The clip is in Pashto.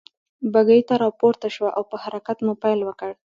بګۍ ته را پورته شوه او په حرکت مو پيل وکړ.